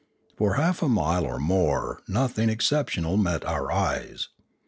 For half a mile or more nothing exceptional met our eyes.